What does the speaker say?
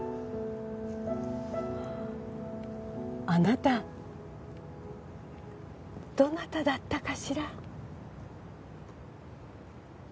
あなたどなただったかしら？